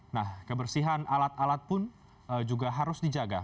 nah kebersihan alat alat pun juga harus dijaga